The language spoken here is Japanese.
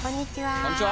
こんにちは。